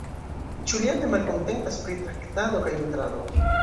Ĉu li eble malkontentas pri traktado kaj nutrado?